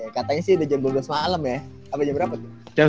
katanya sih udah jam dua belas malam ya sampai jam berapa tuh